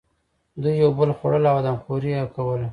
دوی یو بل خوړل او آدم خوري یې کوله.